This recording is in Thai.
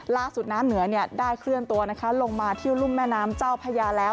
น้ำเหนือได้เคลื่อนตัวลงมาที่รุ่มแม่น้ำเจ้าพญาแล้ว